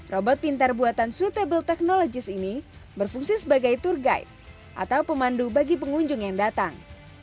robot pintar buatan suitable technologies ini berfungsi sebagai tour guide atau pemandu bagi pengunjung yang datang